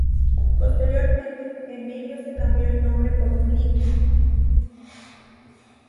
Posteriormente, Emilio se cambió el nombre por "Miliki".